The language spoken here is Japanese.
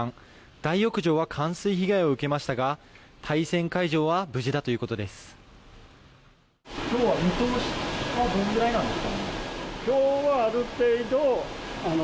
大浴場は冠水被害を受けましたが対戦会場は無事ということです。